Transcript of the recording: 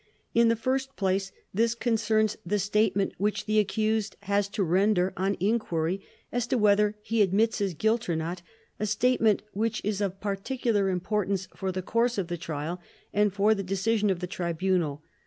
In the first place this concerns the statement which the accused has to render on inquiry as to whether he admits his guilt or not, a statement which is of particular importance for the course of the Trial and for the decision of the Tribunal.